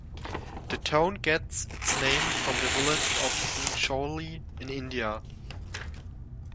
The town gets its name from the village of Incholi in India.